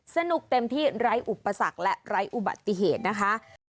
สนุกเต็มที่ไร้อุปสรรคและไร้อุบัติเหตุนะคะ